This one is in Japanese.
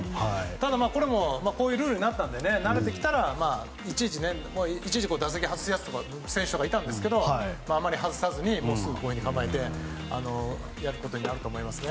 ただ、これもこういうルールになったので慣れてきたら、いちいち打席外す選手とかいたんですけどあまり外さずにすぐ構えてやることになると思いますね。